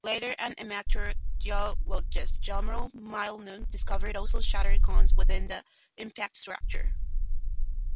Later an amateur geologist Jarmo Moilanen discovered also shatter cones within the impact structure.